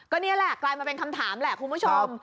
ก็นี่แหละกลายมาเป็นคำถามแหละคุณผู้ชม